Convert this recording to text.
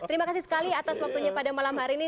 terima kasih sekali atas waktunya pada malam hari ini